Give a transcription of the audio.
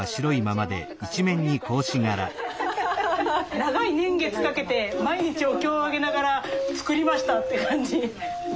長い年月かけて毎日お経上げながら作りましたって感じ。